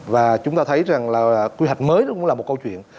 và chúng ta thấy rằng là quy hoạch mới cũng là một câu chuyện